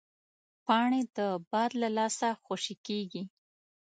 پاڼې د باد له لاسه خوشې کېږي